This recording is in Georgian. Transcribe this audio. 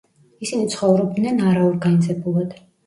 ისინი ცხოვრობდნენ არაორგანიზებულად.